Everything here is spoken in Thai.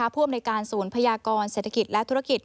ผู้อำนวยการศูนย์พยากรเศรษฐกิจและธุรกิจ